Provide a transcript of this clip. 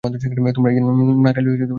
তোমরা একদিন না খাইলেই সব অন্ধকার দেখিবে।